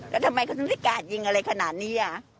แล้วทำไมเขาถึงได้กาดยิงอะไรขนาดนี้